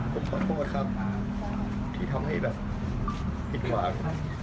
ผมขอโทษครับที่ทำให้แบบผิดหวัง